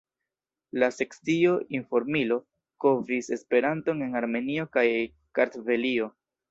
La sekcio "Informilo" kovris Esperanton en Armenio kaj Kartvelio.